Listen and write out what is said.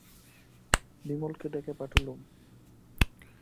বিমলকে ডেকে পাঠালুম।